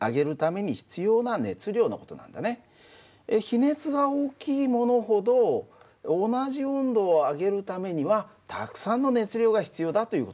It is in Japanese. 比熱が大きいものほど同じ温度を上げるためにはたくさんの熱量が必要だという事なんだ。